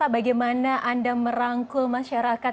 bagaimana anda merangkul masyarakat